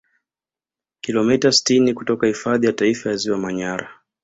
kilomita sitini kutoka hifadhi ya taifa ya ziwa manyara